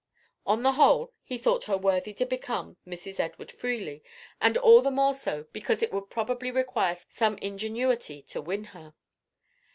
On the whole, he thought her worthy to become Mrs. Edward Freely, and all the more so, because it would probably require some ingenuity to win her.